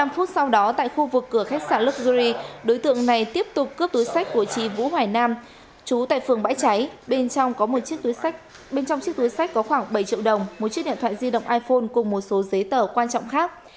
ba mươi năm phút sau đó tại khu vực cửa khách sạn luxury đối tượng này tiếp tục cướp túi sách của chị vũ hoài nam trú tại phường bãi cháy bên trong chiếc túi sách có khoảng bảy triệu đồng một chiếc điện thoại di động iphone cùng một số giấy tờ quan trọng khác